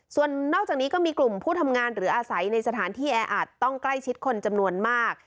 ส่วนนอกจากนี้ก็มีกลุ่มผู้ทำงานหรืออาศัยในสถานที่แออัดต้องใกล้ชิดคนจำนวนมาก